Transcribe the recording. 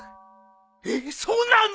えっそうなの？